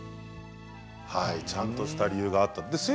ちゃんとした理由があったんですね。